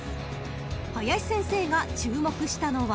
［林先生が注目したのは］